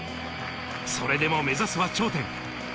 それでも目指すは頂点。